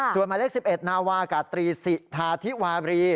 ส่วนหมายเลข๑๑นาวากาตรีสิทาธิวารี